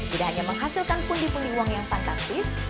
tidak hanya menghasilkan pundi pundi uang yang fantastis